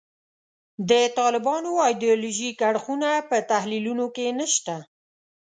د طالبانو ایدیالوژیک اړخونه په تحلیلونو کې نشته.